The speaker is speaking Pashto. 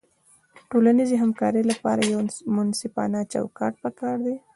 د ټولنیزې همکارۍ لپاره یو منصفانه چوکاټ پکار دی.